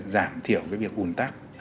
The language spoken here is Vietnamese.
giảm thiểu cái việc ủn tắc